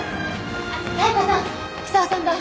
あっ妙子さん久男さんが